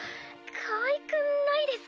かわいくないですか？